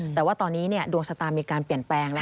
แต่ว่าตอนนี้ดวงชะตามีการเปลี่ยนแปลงแล้ว